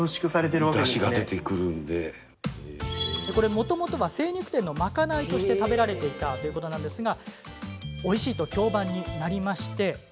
もともとは精肉店の賄いとして食べられていたということなんですがおいしいと評判に。